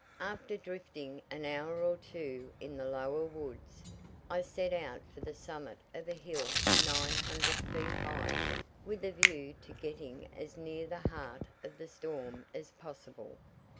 After drifting an hour or two in the lower woods, I set out for the summit of a hill 900 feet high, with a view to getting as near the heart of the storm as possible.